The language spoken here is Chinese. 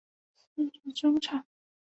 司职中场。